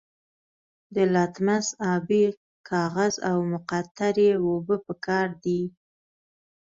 د لتمس ابي کاغذ او مقطرې اوبه پکار دي.